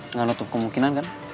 nggak nutup kemungkinan kan